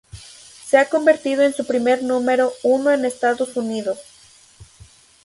Se ha convertido en su primer número uno en Estados Unidos.